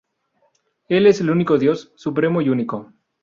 Él es el único Dios, supremo y único.